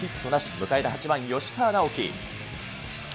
迎えた８番吉川尚輝。